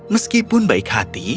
meskipun baik hati